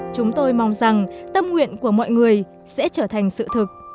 chúng tôi mong rằng tâm nguyện của mọi người sẽ trở thành sự thực